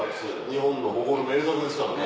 日本の誇る名作ですからね